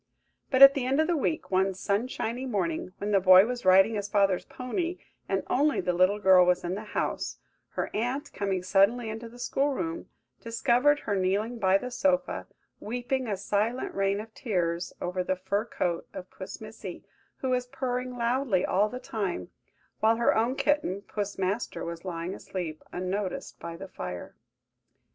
But at the end of the week, one sunshiny morning, when the boy was riding his father's pony, and only the little girl was in the house, her aunt, coming suddenly into the school room, discovered her kneeling by the sofa, weeping a silent rain of tears over the fur coat of Puss Missy, who was purring loudly all the time; while her own kitten, Puss Master, was lying asleep unnoticed by the fire.